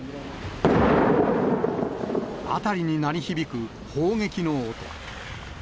辺りに鳴り響く、砲撃の音。